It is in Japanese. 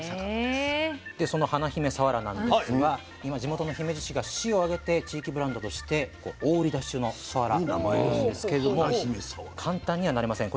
でその華姫さわらなんですが今地元の姫路市が市を挙げて地域ブランドとして大売り出し中のさわらなんですけども簡単にはなれません。